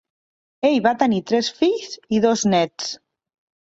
Ell va tenir tres fills i dos nets.